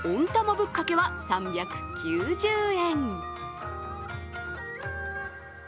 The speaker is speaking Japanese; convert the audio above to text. ぶっかけは３９０円。